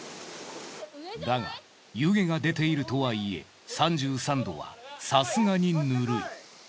だが湯気が出ているとはいえ３３度はさすがにぬるい。